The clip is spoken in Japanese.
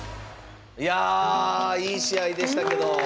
いやいい試合でしたけど。